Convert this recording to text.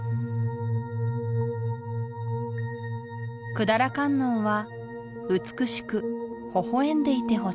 百済観音は美しくほほ笑んでいてほしい。